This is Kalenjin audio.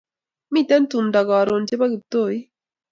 Miten tumdo karun chepo kiptuik